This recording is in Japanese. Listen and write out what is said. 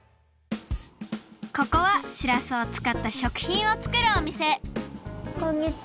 ここはしらすを使ったしょくひんを作るおみせこんにちは！